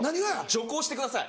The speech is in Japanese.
徐行してください。